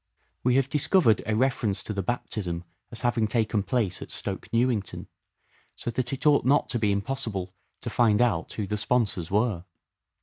We have dis covered a reference to the baptism as having taken place at Stoke Newington, so that it ought not to be impossible to find out who the sponsors were.